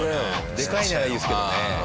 でかいならいいですけどね。